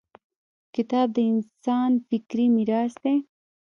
• کتاب د انسان فکري میراث دی.